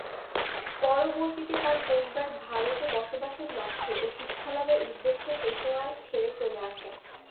পরবর্তীতে তার পরিবার ভারতে বসবাসের লক্ষ্যে ও শিক্ষালাভের উদ্দেশ্যে পেশাওয়ার ছেড়ে চলে আসেন।